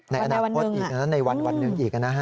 ในอนาคตอีกในวันหนึ่งอีกนะฮะ